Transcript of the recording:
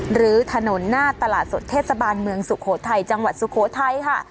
หรือถนนหน้าตลาดสดเทศบาลเมืองสุโขทัยจังหวัดสุโขทัยค่ะ